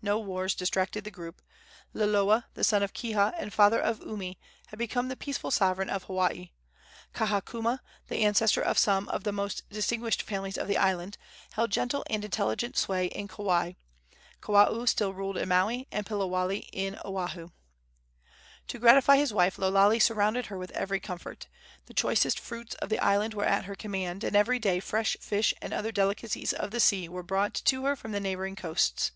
No wars distracted the group. Liloa, the son of Kiha and father of Umi, had become the peaceful sovereign of Hawaii; Kahakuma, the ancestor of some of the most distinguished families of the islands, held gentle and intelligent sway in Kauai; Kawao still ruled in Maui, and Piliwale in Oahu. To gratify his wife, Lo Lale surrounded her with every comfort. The choicest fruits of the island were at her command, and every day fresh fish and other delicacies of the sea were brought to her from the neighboring coasts.